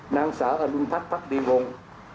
นางสาวอลุณภัทรภักดีวงศ์